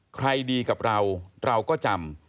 ใครดีกับเราเราก็จำ